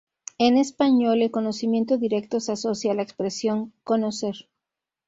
En español, el conocimiento directo se asocia a la expresión "conocer".